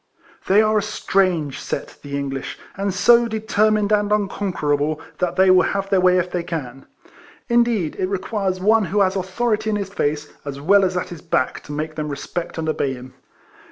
They are a strange set, the English! and so determined and unconquerable, that they will have their way if they can. Indeed, it requires one who has authority in his face. 150 IIFXOLLECTIONS OF as well as at his back, to make them respect and obey liim.